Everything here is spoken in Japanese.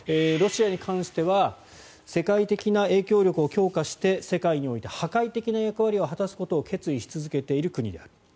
ロシアに関しては世界的な影響力を強化して世界において破壊的な役割を果たすことを決意し続けている国である。